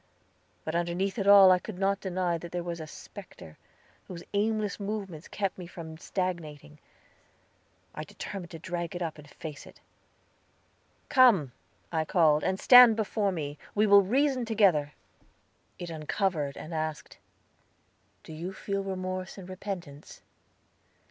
But underneath it all I could not deny that there was a specter, whose aimless movements kept me from stagnating. I determined to drag it up and face it. "Come," I called, "and stand before me; we will reason together." It uncovered, and asked: "Do you feel remorse and repentance?"